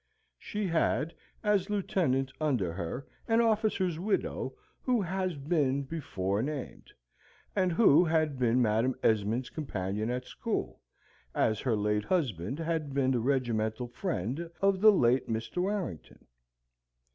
She had, as lieutenant under her, an officer's widow who has been before named, and who had been Madam Esmond's companion at school, as her late husband had been the regimental friend of the late Mr. Warrington.